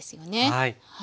はい。